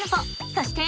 そして！